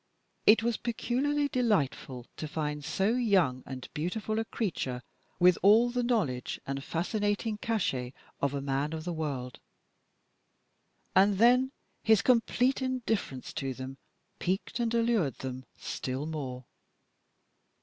It was peculiarly delightful to find so young and beautiful a creature with all the knowledge and fascinating cachet of a man of the world. And then his complete indifference to them piqued and allured them still more.